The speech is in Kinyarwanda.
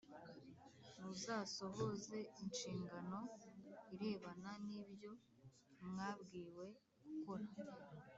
Muzasohoze inshingano irebana nibyo mwabwiwe gukora